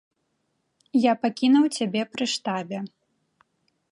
Я пакінуў цябе пры штабе.